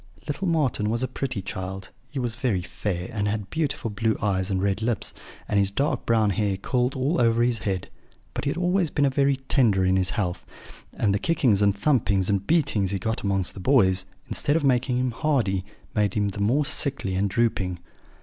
"Little Marten was a pretty child; he was very fair, and had beautiful blue eyes and red lips, and his dark brown hair curled all over his head; but he had always been very tender in his health; and the kickings and thumpings and beatings he got amongst the boys, instead of making him hardy, made him the more sickly and drooping.